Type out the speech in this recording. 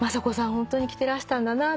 ホントに着てらしたんだなと。